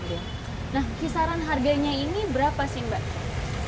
nah kisaran harganya ini berapa sih mbak